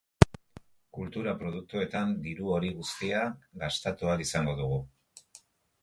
Kultura produktuetan diru hori guztia gastatu ahal izango dugu.